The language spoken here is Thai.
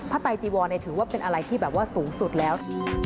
ผ้าไตจีวรถือว่าเป็นอะไรที่สูงสุดแล้ว